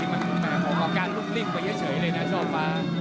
มันมีออกการลุกลิ่นไปเยอะเฉยเลยนะชอบฟ้า